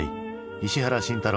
石原慎太郎